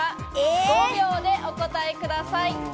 ５秒でお答えください。